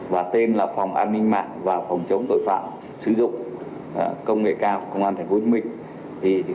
và tên là phòng an ninh mạng và phòng chống tội phạm sử dụng công nghệ cao công an tp hcm